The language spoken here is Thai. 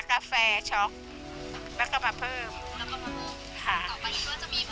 กาแฟช็อกแล้วก็มาเพิ่มแล้วก็มาเพิ่มค่ะต่อไปนี้ก็จะมี